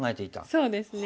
そうですね。